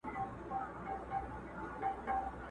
ښکارېدی چی بار یې دروند وو پر اوښ زور وو.!